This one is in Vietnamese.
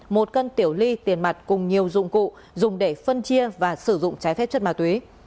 một cân tiểu ly tiền mặt cùng nhiều dụng cụ dùng để phân chia và sử dụng trái phép chất ma túy